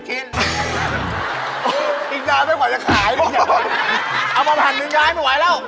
เอาแผ่นหนึ่งเออ